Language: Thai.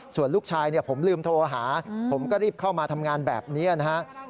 ส่วนลูกชายผมลืมโทรหาผมก็รีบเข้ามาทำงานแบบนี้นะครับ